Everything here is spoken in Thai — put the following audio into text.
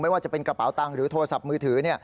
ว่าจะเป็นกระเป๋าตังค์หรือโทรศัพท์มือถือ